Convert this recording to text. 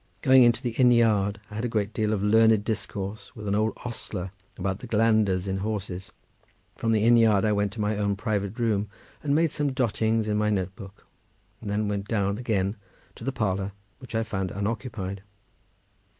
Going into the inn yard, I had a great deal of learned discourse with an old ostler about the glanders in horses. From the inn yard I went to my own private room, and made some dottings in my notebook, and then went down again to the parlour, which I found unoccupied.